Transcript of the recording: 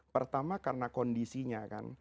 pertama karena kondisi itu